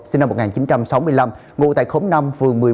sinh năm một nghìn chín trăm sáu mươi năm ngụ tại khốm năm vườn một mươi một